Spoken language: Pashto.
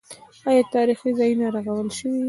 آیا تاریخي ځایونه رغول شوي؟